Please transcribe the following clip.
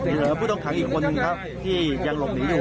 เหลือผู้ต้องขังอีกคนนึงครับที่ยังหลบหนีอยู่